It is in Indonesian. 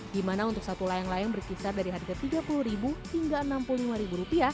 di mana untuk satu layang layang berkisar dari harga rp tiga puluh hingga rp enam puluh lima